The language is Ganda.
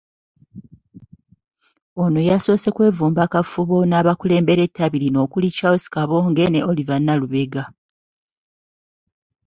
Ono yasoose kwevumba kafubo n'abakulembera ettabi lino okuli Charles Kabonge ne Oliver Nalubega.